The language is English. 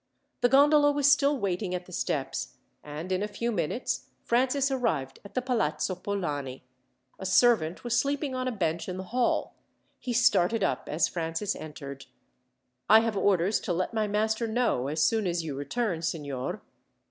The gondola was still waiting at the steps, and in a few minutes Francis arrived at the Palazzo Polani. A servant was sleeping on a bench in the hall. He started up as Francis entered. "I have orders to let my master know, as soon as you return, signor."